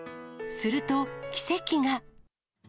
すると、奇跡が。